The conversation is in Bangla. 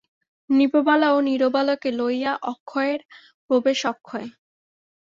নৃপবালা ও নীরবালাকে লইয়া অক্ষয়ের প্রবেশ অক্ষয়।